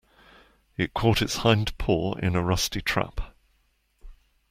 It caught its hind paw in a rusty trap.